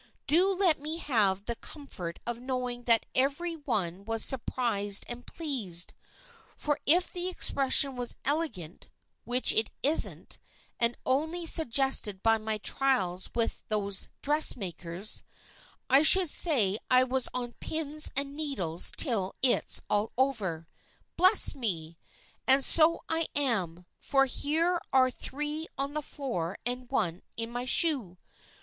Do let me have the comfort of knowing that every one was surprised and pleased; for if the expression was elegant (which it isn't, and only suggested by my trials with those dressmakers), I should say I was on pins and needles till it's all over. Bless me! and so I am, for here are three on the floor and one in my shoe."